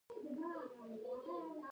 د لینز له لارې رڼا ماتېږي.